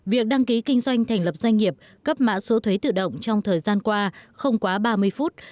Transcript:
việc đăng ký kinh doanh thành lập doanh nghiệp cấp mã số thuế tự động trong thời gian qua không quá ba mươi phút